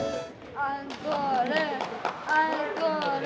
アンコール。